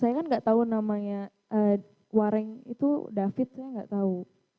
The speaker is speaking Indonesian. saya kan enggak tahu namanya warang itu david saya enggak tahu